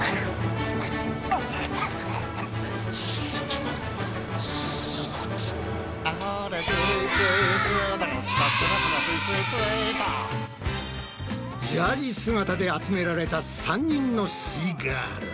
ジャージ姿で集められた３人のすイガール。